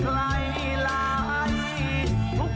ผู้สนตัวดีเหลือแซน